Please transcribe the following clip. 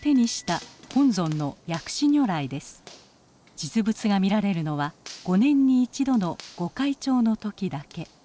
実物が見られるのは５年に一度のご開帳の時だけ。